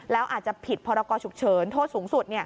แล้วอาจจะผิดพรกรฉุกเฉินโทษสูงสุด